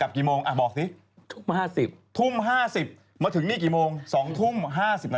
เยอะ